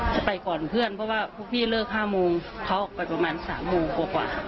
จะไปก่อนเพื่อนเพราะว่าพวกพี่เลิก๕โมงเขาออกไปประมาณ๓โมงกว่า